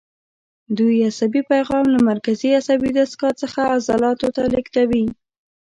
دوی عصبي پیغام له مرکزي عصبي دستګاه څخه عضلاتو ته لېږدوي.